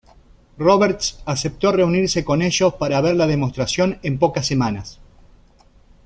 Roberts aceptó reunirse con ellos para ver la demostración en pocas semanas.